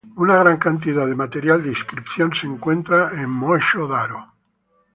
Una gran cantidad de material de inscripción se encuentran en Moensho-Daro.